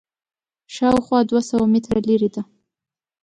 شاوخوا دوه سوه متره لرې ده.